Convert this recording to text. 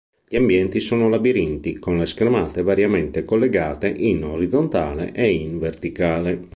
Gli ambienti sono labirinti, con le schermate variamente collegate in orizzontale e in verticale.